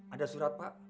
ada surat pak